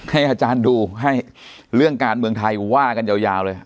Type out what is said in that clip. ให้อาจารย์ดูให้เรื่องการเมืองไทยว่ากันยาวเลย